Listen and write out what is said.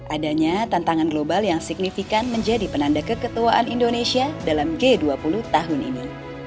adanya tantangan global yang signifikan menjadi penanda keketuaan indonesia dalam g dua puluh tahun ini